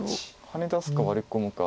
ハネ出すかワリ込むか